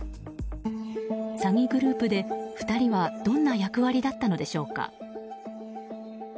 詐欺グループで２人はどんな役割だったのでしょうか。